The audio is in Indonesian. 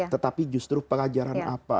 tetapi justru pelajaran apa